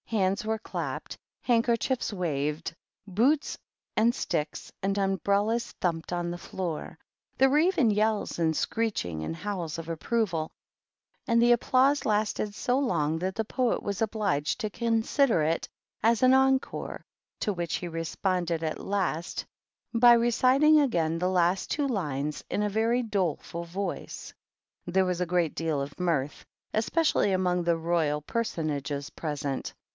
Hands were clapped, handkerchic waved, boots, and sticks, and umbrellas thump on the floor. There were even yells, and screecb and howls of approval, and the applause lasted long that the Poet was obliged to consider it as encore^ to which he responded at last by reciti again the last two lines in a very doleful voi There was a great deal of mirth, especially amo the Royal Personages present.